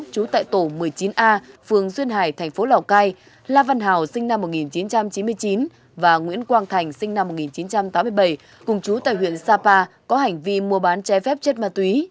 chú tại tổ một mươi chín a phường duyên hải thành phố lào cai la văn hào sinh năm một nghìn chín trăm chín mươi chín và nguyễn quang thành sinh năm một nghìn chín trăm tám mươi bảy cùng chú tại huyện sapa có hành vi mua bán trái phép chất ma túy